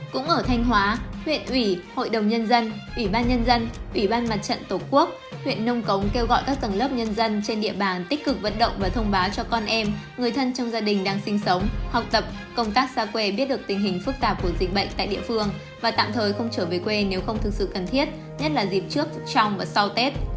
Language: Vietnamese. cũng ở thanh hóa huyện ủy hội đồng nhân dân ủy ban nhân dân ủy ban mặt trận tổ quốc huyện nông cống kêu gọi các tầng lớp nhân dân trên địa bàn tích cực vận động và thông báo cho con em người thân trong gia đình đang sinh sống học tập công tác xa quê biết được tình hình phức tạp của dịch bệnh tại địa phương và tạm thời không trở về quê nếu không thực sự cần thiết nhất là dịp trước trong và sau tết